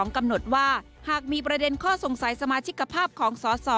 กำหนดว่าหากมีประเด็นข้อสงสัยสมาชิกภาพของสส